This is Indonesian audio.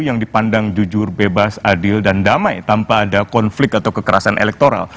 yang dipandang jujur bebas adil dan damai tanpa ada konflik atau kekerasan elektoral